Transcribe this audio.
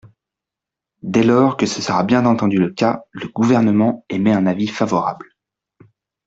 Dès lors que ce sera bien entendu le cas, le Gouvernement émet un avis favorable.